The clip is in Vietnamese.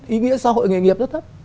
ý nghĩa xã hội nghề nghiệp rất thấp